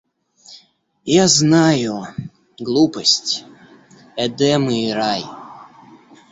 Я знаю: глупость – эдемы и рай!